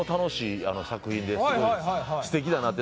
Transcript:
すごいすてきだなって。